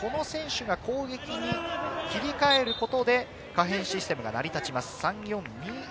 攻撃に切り替えることで可変システムが成り立ちます。